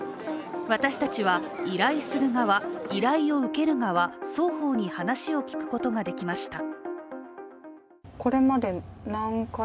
私たちは依頼する側、依頼を受ける側、双方に話を聞くことができました。